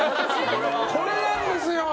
これなんですよ。